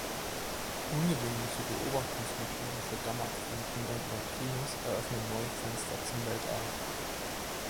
Ungewöhnliche Beobachtungsmethoden für Gammaquanten und Neutrinos eröffnen neue Fenster zum Weltall.